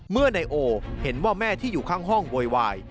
เมื่อนายโอเห็นว่าแม่ที่อยู่ข้างห้องโวยวาย